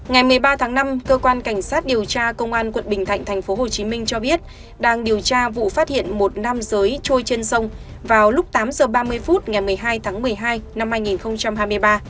ngày một mươi ba tháng năm cơ quan cảnh sát điều tra công an quận bình thạnh tp hcm cho biết đang điều tra vụ phát hiện một nam giới trôi trên sông vào lúc tám h ba mươi phút ngày một mươi hai tháng một mươi hai năm hai nghìn hai mươi ba